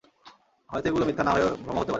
হয়তো এগুলো মিথ্যা না হয়ে ভ্রমও হতে পারে!